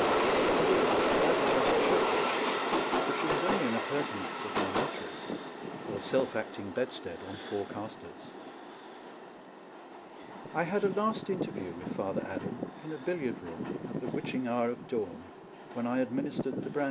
Indeed, that was as it should be ; for she was only an appurtenance of my mattress, or self acting bedstead on four castors. I had a last interview with Father Adam in a billiard room at the witching hour of dawn, when I administered the brandy.